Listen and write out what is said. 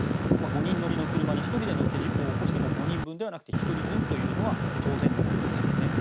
５人乗りの車に１人で乗って事故を起こしても５人分ではなくて１人分というのは当然のことですよね。